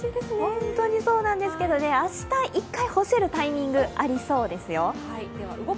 本当にそうなんですけど、明日、１回干せるタイミングありそうですよ。